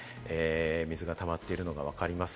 水がたまっているのがわかります。